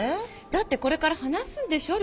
だってこれから話すんでしょ？